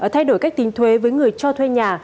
thay đổi cách tính thuế với người cho thuê nhà